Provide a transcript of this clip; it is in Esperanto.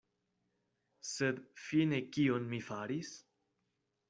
Sed fine kion mi faris?